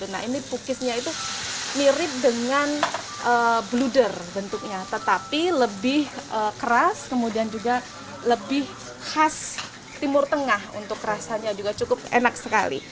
nah ini pukisnya itu mirip dengan bluder bentuknya tetapi lebih keras kemudian juga lebih khas timur tengah untuk rasanya juga cukup enak sekali